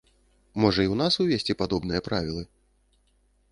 Можа, і ў нас увесці падобныя правілы?